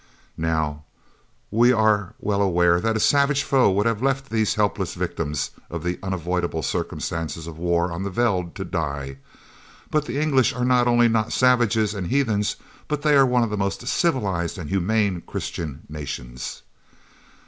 Now, we are well aware that a savage foe would have left these helpless victims of the unavoidable circumstances of war on the veld to die, but the English are not only not savages and heathens, but they are one of the most civilised and humane Christian nations.